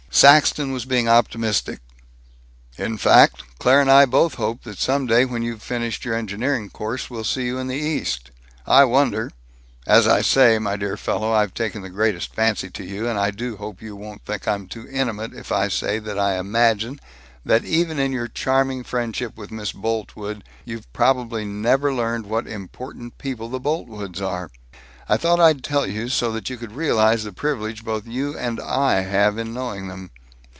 Saxton was being optimistic: "In fact, Claire and I both hope that some day when you've finished your engineering course, we'll see you in the East. I wonder As I say, my dear fellow, I've taken the greatest fancy to you, and I do hope you won't think I'm too intimate if I say that I imagine that even in your charming friendship with Miss Boltwood, you've probably never learned what important people the Boltwoods are. I thought I'd tell you so that you could realize the privilege both you and I have in knowing them.